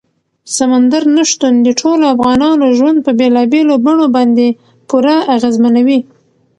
سمندر نه شتون د ټولو افغانانو ژوند په بېلابېلو بڼو باندې پوره اغېزمنوي.